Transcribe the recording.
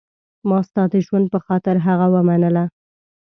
ما ستا د ژوند په خاطر هغه ومنله.